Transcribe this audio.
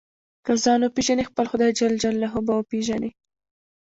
که ځان وپېژنې خپل خدای جل جلاله به وپېژنې.